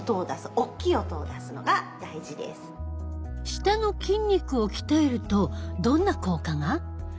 舌の筋肉を鍛えるとどんな効果が？